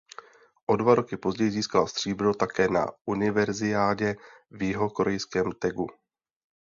O dva roky později získala stříbro také na univerziádě v jihokorejském Tegu.